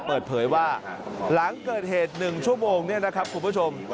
เปิดเผยว่าหลังเกิดเหตุ๑ชั่วโมงเนี่ยนะครับคุณผู้ชม